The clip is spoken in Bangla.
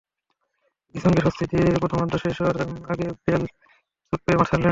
গিজনকে স্বস্তি দিয়ে প্রথমার্ধ শেষ হওয়ার আগে বেল চোট পেয়ে মাঠ ছাড়েন।